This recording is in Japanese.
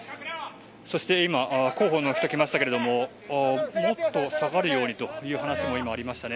そして今、広報の人が来ましたけれどももっと下がるようにという話もありました。